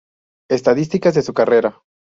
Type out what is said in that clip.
Estadísticas de su carrera